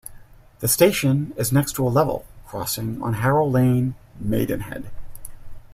The station is next to a level crossing on Harrow Lane, Maidenhead.